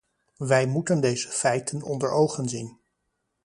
Wij moeten deze feiten onder ogen zien.